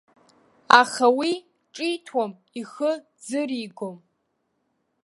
Аха уи ҿиҭуам, ихы ӡыригом.